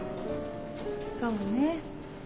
そうね。